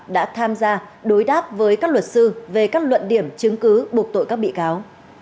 đã tham gia đối đáp với các luật sư về các luận điểm chứng cứ buộc tội các bị cáo